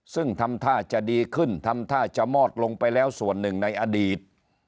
ซึ่งทำท่าจะดีขึ้นทำท่าจะมอดลงไปแล้วส่วนหนึ่งในอดีต